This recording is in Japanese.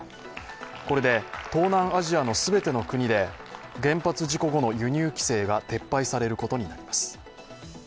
これで東南アジアの全ての国で原発事故後の輸入規制が撤廃されることになります。